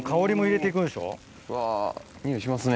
うわ匂いしますね。